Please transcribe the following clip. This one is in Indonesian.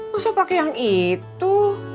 masa pakai yang itu